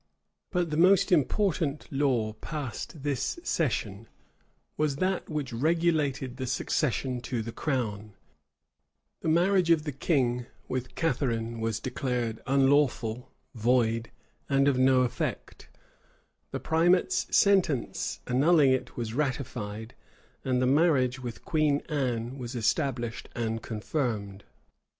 But the most important law passed this session was that which regulated the succession to the crown: the marriage of the king with Catharine was declared unlawful, void, and of no effect: the primate's sentence annulling it was ratified: and the marriage with Queen Anne was established and confirmed.